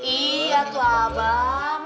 iya tuh abah